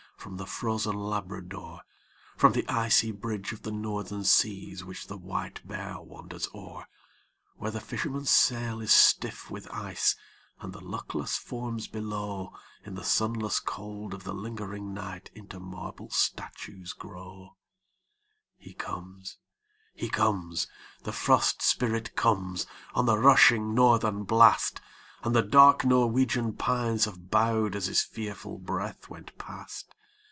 from the frozen Labrador, From the icy bridge of the Northern seas, which the white bear wanders o'er, Where the fisherman's sail is stiff with ice, and the luckless forms below In the sunless cold of the lingering night into marble statues grow He comes, he comes, the Frost Spirit comes on the rushing Northern blast, And the dark Norwegian pines have bowed as his fearful breath went past.